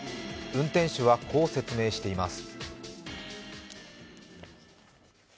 運転手はこう説明しています。